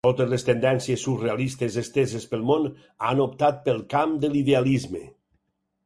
Totes les tendències surrealistes esteses pel món han optat pel camp de l'idealisme.